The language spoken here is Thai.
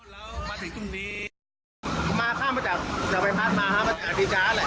แล้วมาถึงตรงนี้มาข้ามมาจากจะไปพัดมามาจากสีจ๊ะแหละ